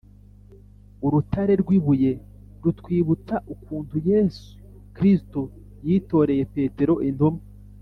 -urutare rw’ibuye rutwibutsa ukuntu yezu kristu yitoreye petero intumwa